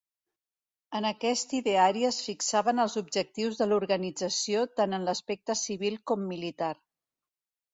En aquest ideari es fixaven els objectius de l'organització tant en l'aspecte civil com militar.